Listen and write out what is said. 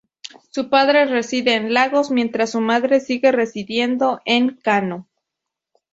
Su padre reside en Lagos, mientras su madre sigue residiendo en Kano.